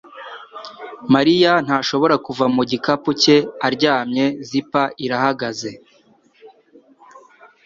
mariya ntashobora kuva mu gikapu cye aryamye Zipper irahagaze